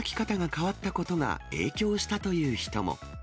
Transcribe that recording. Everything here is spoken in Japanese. コロナで働き方が変わったことが影響したという人も。